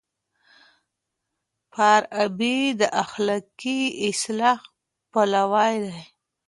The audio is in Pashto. فارابي د اخلاقي اصلاح پلوی دی.